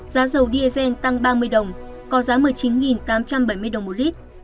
giá dầu diesel tăng ba mươi đồng có giá một mươi chín tám trăm bảy mươi đồng một lít